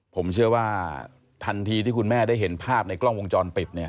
ผมเชื่อว่าทันทีที่คุณแม่ได้เห็นภาพในกล้องวงจรปิดเนี่ย